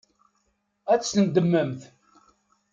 Ad tt-teddmemt?